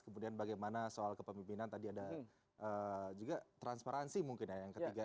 kemudian bagaimana soal kepemimpinan tadi ada juga transparansi mungkin ya yang ketiga